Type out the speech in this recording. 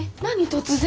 突然。